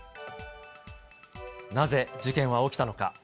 なぜ事件は起きたのか。